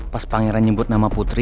pas pangeran nyebut nama putri